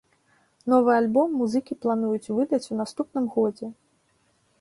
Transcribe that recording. Новы альбом музыкі плануюць выдаць у наступным годзе.